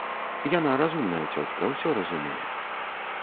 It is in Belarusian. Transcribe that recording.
Яна разумная цётка, усё разумее.